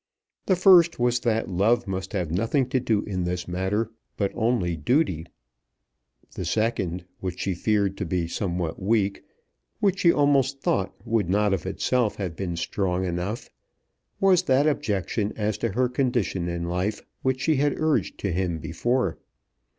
The first was that love must have nothing to do in this matter, but only duty. The second, which she feared to be somewhat weak, which she almost thought would not of itself have been strong enough, was that objection as to her condition in life which she had urged to him before.